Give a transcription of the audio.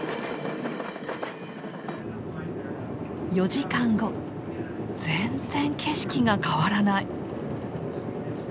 ４時間後全然景色が変わらない。